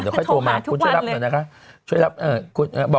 เดี๋ยวค่อยโทรมาคุณช่วยรับหน่อยนะคะช่วยรับ